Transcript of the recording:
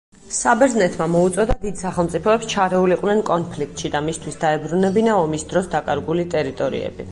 საბერძნეთმა მოუწოდა დიდ სახელმწიფოებს ჩარეულიყვნენ კონფლიქტში და მისთვის დაებრუნებინა ომის დროს დაკარგული ტერიტორიები.